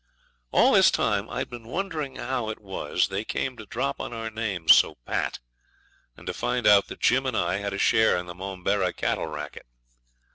All this time I'd been wondering how it was they came to drop on our names so pat, and to find out that Jim and I had a share in the Momberah cattle racket.